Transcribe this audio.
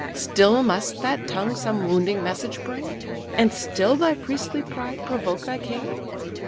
Still must that tongue some wounding message bring, And still thy priestly pride provoke thy king?